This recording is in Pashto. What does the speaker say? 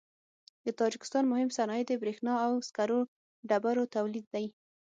د تاجکستان مهم صنایع د برېښنا او سکرو ډبرو تولید دی.